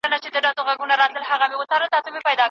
هغه مواد چې تاریخ یې تېر وي، مه کاروئ.